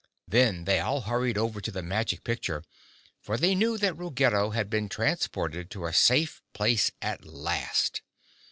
Then they all hurried over to the Magic Picture, for they knew that Ruggedo had been transported to a safe place at last.